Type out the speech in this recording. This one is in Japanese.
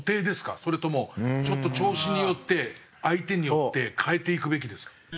それともちょっと調子によって相手によって変えていくべきですか？